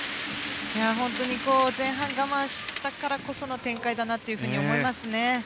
本当に前半我慢したからこその展開だなと思いますね。